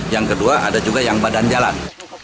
yang kedua ada juga yang badan jalan